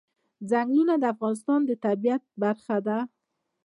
ځنګلونه د افغانستان د طبیعت برخه ده.